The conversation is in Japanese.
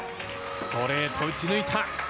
ストレート、打ち抜いた。